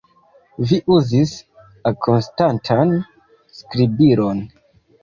Vi uzis la konstantan skribilon!